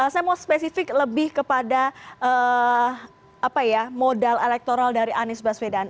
saya mau spesifik lebih kepada modal elektoral dari anies baswedan